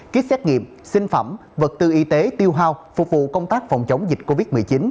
kýt xét nghiệm sinh phẩm vật tư y tế tiêu hao phục vụ công tác phòng chống dịch covid một mươi chín